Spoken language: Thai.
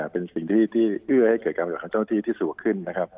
เป็นสิ่งที่เอื้อให้เกิดการการทำงานของเจ้าหน้าที่สูงขึ้น